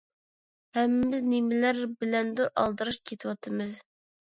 ھەممىمىز نېمىلەر بىلەندۇر ئالدىراش كېتىۋاتىمىز.